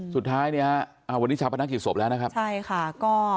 สุดท้ายเนี่ยวันนี้ชาวพนักกิจศพแล้วนะครับใช่ค่ะก็